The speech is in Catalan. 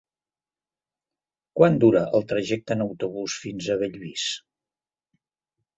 Quant dura el trajecte en autobús fins a Bellvís?